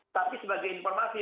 tapi sebagai informasi